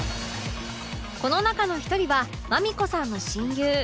この中の１人は麻美子さんの親友